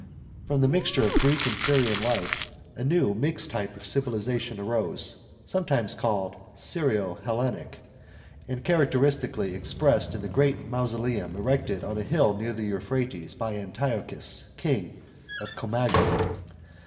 From the mixture of Greek and Syrian life, a new mixed type of civilisation arose, sometimes called Syrohellenic, and characteristically expressed in the great mauso 27 B.C. 14 A.D. SYRIA. Ill leum erected on a hill near the Euphrates by Antiochus, king of Comntagene.